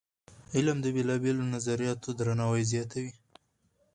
علم د بېلابېلو نظریاتو درناوی زیاتوي.